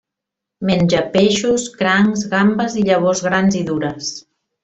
Menja peixos, crancs, gambes i llavors grans i dures.